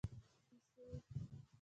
کیسۍ